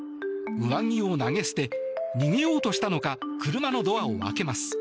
上着を投げ捨て逃げようとしたのか車のドアを開けます。